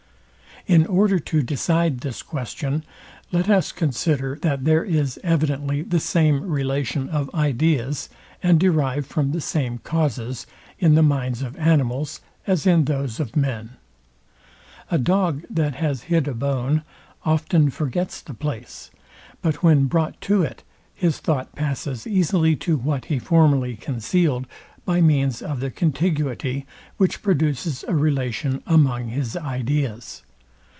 In order to decide this question, let us consider, that there is evidently the same relation of ideas, and derived from the same causes, in the minds of animals as in those of men. A dog, that has hid a bone, often forgets the place; but when brought to it, his thought passes easily to what he formerly concealed, by means of the contiguity, which produces a relation among his ideas.